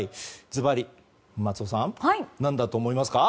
ずばり松尾さん何だと思いますか？